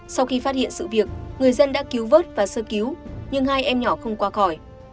sau khi phát hiện sự việc người dân đã cứu vớt và sơ cứu nhưng hai em nhỏ không qua khỏi